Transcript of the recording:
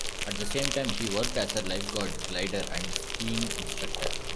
At the same time, he worked as a lifeguard, glider and skiing instructor.